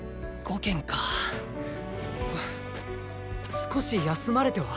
少し休まれては？